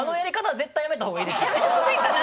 やめた方がいいかな？